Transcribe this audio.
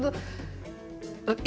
ijin reklamasi dari ias